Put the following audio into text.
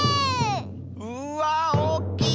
うわあおっきい！